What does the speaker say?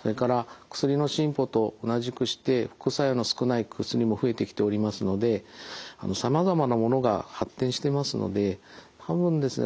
それから薬の進歩と同じくして副作用の少ない薬も増えてきておりますのでさまざまなものが発展してますので多分ですね